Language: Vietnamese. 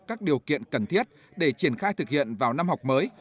các điều kiện cần thiết để triển khai thực hiện vào năm học mới